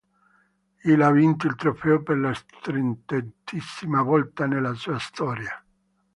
Il ha vinto il trofeo per la trentesima volta nella sua storia.